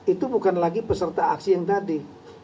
itu bukan lagi peserta aksi yang tadi